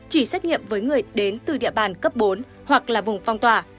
chỉ xét nghiệm với người đến từ địa bàn cấp bốn hoặc là vùng phong tỏa